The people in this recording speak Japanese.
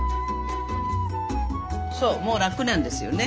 そうもう楽なんですよね。